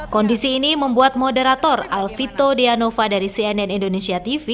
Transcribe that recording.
kondisi ini membuat moderator alvito dianova dari cnn indonesia tv